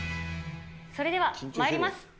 それではまいります。